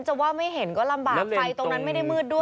จะว่าไม่เห็นก็ลำบากไฟตรงนั้นไม่ได้มืดด้วย